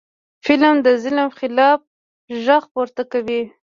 فلم د ظلم خلاف غږ پورته کوي